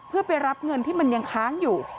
เพื่อไปรับเงินที่มันยังค้างอยู่